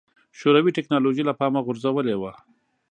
شوروي ټکنالوژي له پامه غورځولې وه.